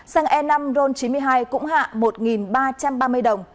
xăng e năm ron chín mươi hai cũng hạ một ba trăm ba mươi đồng